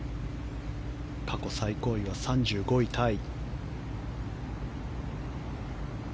過去最高位は３５位タイ。